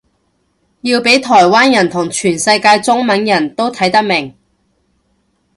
要畀台灣人同全世界中文人都睇得明